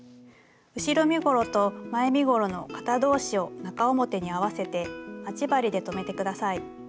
後ろ身ごろと前身ごろの肩同士を中表に合わせて待ち針で留めて下さい。